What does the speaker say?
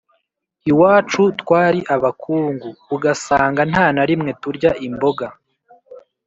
iwacu twari abakungu, ugasanga nta na rimwe turya imboga